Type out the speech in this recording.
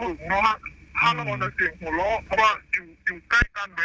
ถ้าเราเอาในเสียงหัวเลาะเพราะว่าอยู่อยู่ใกล้กันไหม